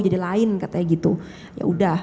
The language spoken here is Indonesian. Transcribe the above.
jadi lain katanya gitu ya udah